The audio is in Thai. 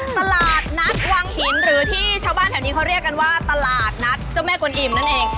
ตลาดนัดวังหินหรือที่ชาวบ้านแถวนี้เขาเรียกกันว่าตลาดนัดเจ้าแม่กวนอิ่มนั่นเอง